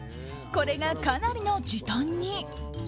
これが、かなりの時短に。